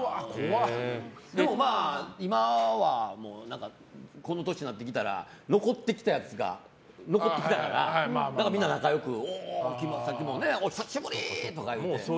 でも、今はこの年になってきたら残ってきたやつが残ってきたからみんな仲良く、さっきも久しぶり！とか言うて。